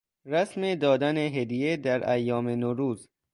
رسم دادن هدیه در ایام نوروز